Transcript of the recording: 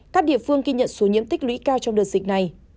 các địa phương ghi nhận số nhiễm tích lũy cao trong đợt dịch này